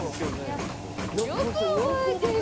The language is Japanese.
よく覚えてる。